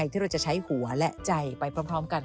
ที่เราจะใช้หัวและใจไปพร้อมกัน